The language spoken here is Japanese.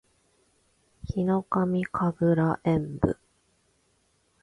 ヒノカミ神楽円舞（ひのかみかぐらえんぶ）